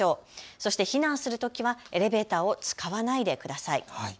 そして避難するときはエレベーターを使わないでください。